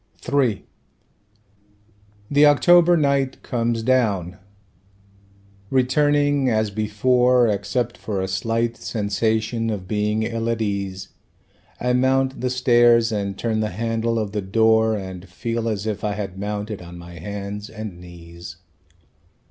III The October night comes down; returning as before Except for a slight sensation of being ill at ease I mount the stairs and turn the handle of the door And feel as if I had mounted on my hands and knees.